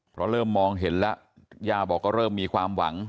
เพราะเริ่มมองเห็นแล้วย่าบอกก็เริ่มมีความหวัง